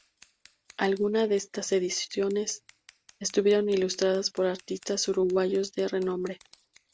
Algunas de estas ediciones estuvieron ilustradas por artistas uruguayos de renombre.